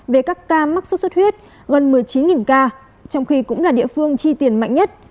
về các ca mắc sốt xuất huyết gần một mươi chín ca trong khi cũng là địa phương chi tiền mạnh nhất